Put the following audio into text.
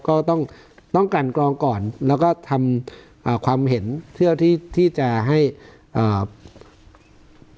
ก็ต้องต้องกันกรองก่อนแล้วก็ทำอ่าความเห็นเพื่อที่ที่จะให้อ่า